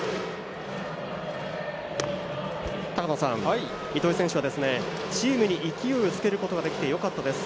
高野さん、糸井選手はチームに勢いをつけることができてよかったです。